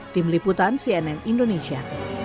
tim liputan cnn indonesia